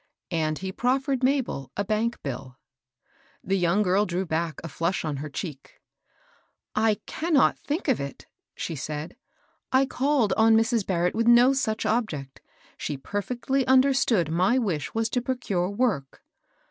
And he proffered Mabel a bank bill. The young girl drew back, a flush on her cheek. " I cannot think of it," she said. " I called on Mrs. Barrett with no such object. She perfectly understood my wish was to procure work."